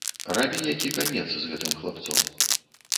Рабі які канец з гэтым хлапцом.